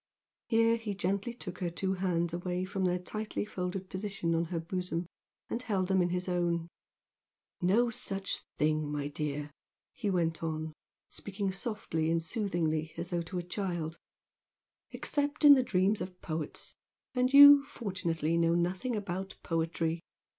Here he gently took her two hands away from their tightly folded position on her bosom and held them in his own. "No such thing, my dear!" he went on, speaking softly and soothingly, as though to a child "Except in the dreams of poets, and you fortunately! know nothing about poetry!